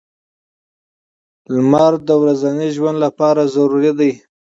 • لمر د ورځني ژوند لپاره لازمي دی.